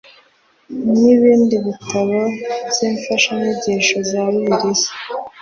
n ibindi bitabo by imfashanyigisho za bibiliya